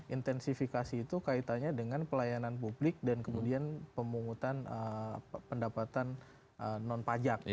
intensifikasi itu kaitannya dengan pelayanan publik dan kemudian pemungutan pendapatan non pajak